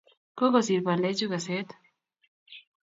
Kokosir pandechuu keset